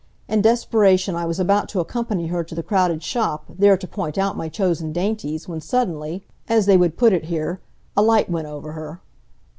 In desperation I was about to accompany her to the crowded shop, there to point out my chosen dainties when suddenly, as they would put it here, a light went her over.